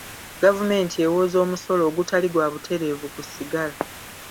Gavumenti ewooza omusolo ogutali gwa butereevu ku ssigala.